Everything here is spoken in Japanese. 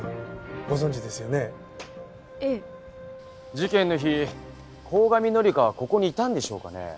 事件の日鴻上紀香はここにいたんでしょうかね？